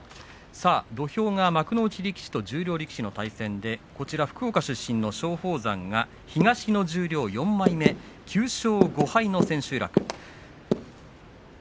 土俵が幕内力士と十両力士との対戦で福岡出身の松鳳山が東の十両４枚目、９勝５敗の千秋楽。